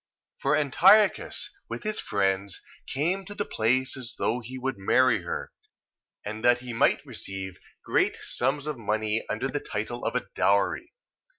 For Antiochus, with his friends, came to the place as though he would marry her, and that he might receive great sums of money under the title of a dowry.